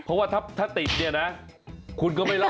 เพราะว่าถ้าติดเนี่ยนะคุณก็ไม่รอด